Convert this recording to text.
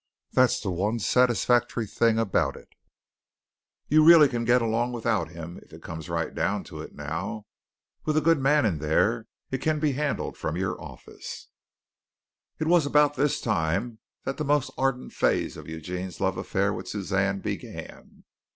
That's the one satisfactory thing about it you really can get along without him if it comes right down to it now. With a good man in there, it can be handled from your office." It was about this time that the most ardent phase of Eugene's love affair with Suzanne began.